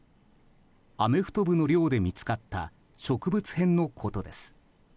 アメフト部の寮で見つかった植物片のことです。